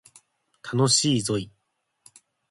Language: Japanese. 楽しいぞい